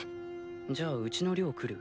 じゃあうちの寮来る？